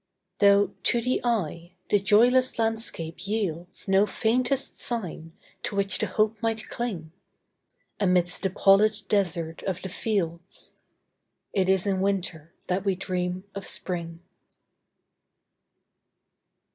Though, to the eye, the joyless landscape yieldsNo faintest sign to which the hope might cling,—Amidst the pallid desert of the fields,—It is in Winter that we dream of Spring.